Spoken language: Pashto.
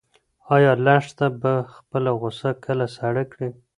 ایا لښته به خپله غوسه کله سړه کړي؟